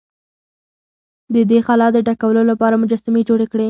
د دې خلا د ډکولو لپاره مجسمې جوړې کړې.